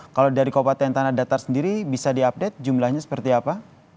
kalau dari kabupaten tanah datar sendiri bisa diupdate jumlahnya seperti apa